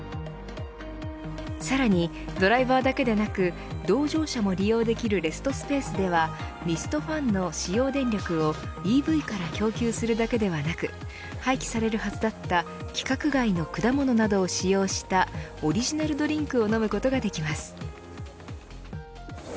さらにドライバーだけでなく同乗者も利用できるレストスペースではミストファンの使用電力をＥＶから供給するだけではなく廃棄されるはずだった規格外の果物などを使用したオリジナルドリンクを飲むことができます。